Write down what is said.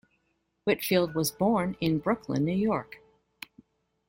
Whitfield was born in Brooklyn, New York.